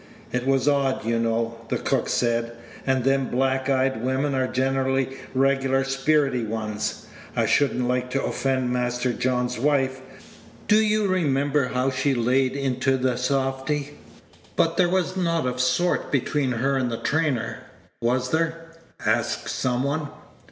"It was odd, you know," the cook said; "and them black eyed women are generally regular spirity ones. I should n't like to offend Master John's wife. Do you remember how she paid into t' softy?" "But there was nought o' sort between her and the trainer, was there?' asked some one.